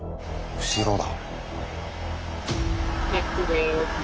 後ろだ。